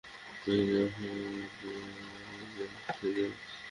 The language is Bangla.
এলিয়ট আসলে কাজের লোক।